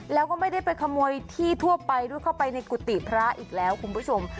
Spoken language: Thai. แล้วก็ไม่ได้ไปขโมยที่ทั่วไปด้วยเข้าไปในกุฏิพระอีกแล้วคุณผู้ชม